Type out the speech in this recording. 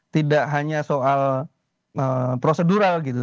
tidak hanya soal prosedural gitu